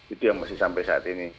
itu yang masih sampai saat ini